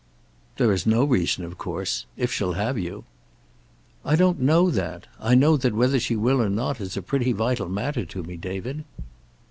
"There is no reason, of course. If she'll have you." "I don't know that. I know that whether she will or not is a pretty vital matter to me, David."